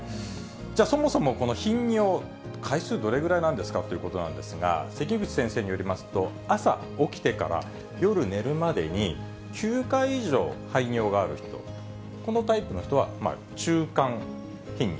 そもそも頻尿、回数、どれぐらいなんですかということなんですが、関口先生によりますと、朝起きてから夜寝るまでに、９回以上排尿がある人、このタイプの人は、昼間頻尿。